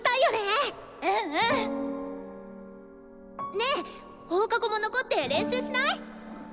ねえ放課後も残って練習しない？